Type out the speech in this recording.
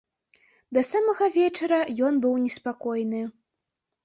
Да самага вечара ён быў неспакойны.